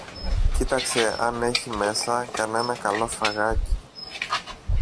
κοίταξε αν έχει μέσα κανένα καλό φαγάκι.